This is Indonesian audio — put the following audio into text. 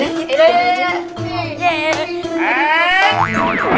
yaudah yaudah yaudah